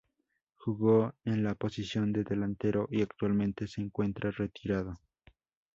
Jugó en la posición de delantero y actualmente se encuentra retirado.